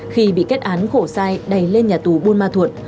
khi bị kết án khổ sai đầy lên nhà tù buôn ma thuột